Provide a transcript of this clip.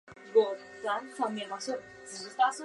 崇祯七年考中甲戌科进士。